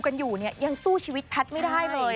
ก็ยังต้องสู้ชีวิตแพทย์ไม่ได้เลย